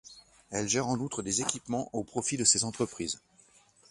Elle gère en outre, des équipements au profit de ces entreprises.